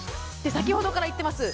先ほどから言ってます